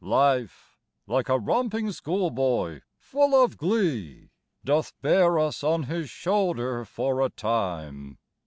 Life, like a romping schoolboy, full of glee, Doth bear us on his shoulders for a time.